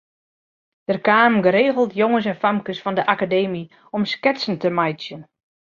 Der kamen geregeld jonges en famkes fan de Akademy om sketsen te meitsjen.